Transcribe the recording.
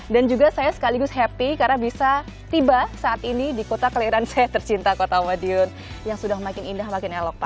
dan juga saya sekaligus happy karena bisa tiba saat ini di kota keliaran saya tercinta kota madiun yang sudah semakin indah semakin elok